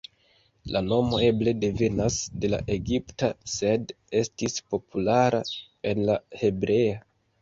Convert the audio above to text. La nomo eble devenas de la egipta, sed estis populara en la hebrea.